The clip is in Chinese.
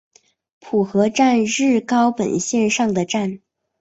浦河站日高本线上的站。